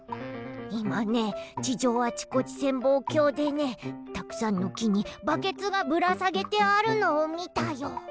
いまね地上あちこち潜望鏡でねたくさんのきにバケツがぶらさげてあるのをみたよ。